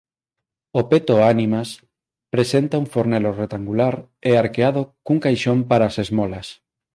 O Peto Ánimas presenta un fornelo rectangular e arqueado cun caixón para as esmolas.